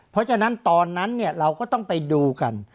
เพราะฉะนั้นตอนนั้นเราก็ต้องไปดูกัน